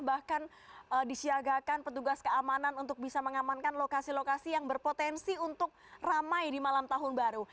bahkan disiagakan petugas keamanan untuk bisa mengamankan lokasi lokasi yang berpotensi untuk ramai di malam tahun baru